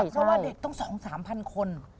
เพราะว่าเด็กต้อง๒๓๐๐คน